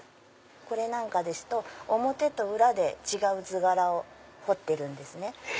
これなんかですと表と裏で違う図柄を彫ってるんですね。